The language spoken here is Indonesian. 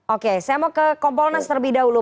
oke saya mau ke kompolnas terlebih dahulu